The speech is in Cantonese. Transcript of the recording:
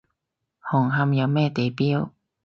紅磡有咩地標？